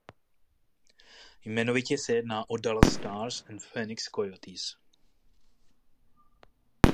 Jmenovitě se jedná o Dallas Stars a Phoenix Coyotes.